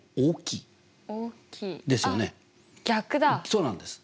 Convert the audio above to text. そうなんです。